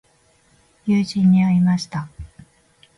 友人に会いました。